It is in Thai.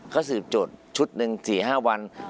เขาสืบจดชุดหนึ่ง๔วัน